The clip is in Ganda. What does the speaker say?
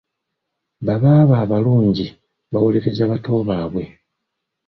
Babaaba abalungi bawolereza bato baabwe.